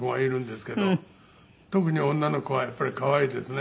特に女の子はやっぱり可愛いですね。